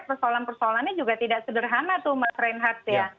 persoalan persoalannya juga tidak sederhana tuh mas reinhardt ya